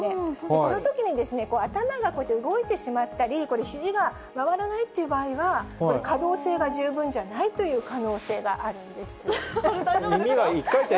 そのときに頭が動いてしまったり、これ、ひじが回らないっていう場合は、可動性が十分じゃないという可能性があるんです。